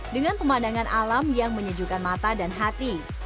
dengan pemandangan alam yang menyejukkan mata dan hati